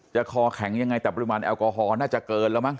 คอแข็งยังไงแต่ปริมาณแอลกอฮอลน่าจะเกินแล้วมั้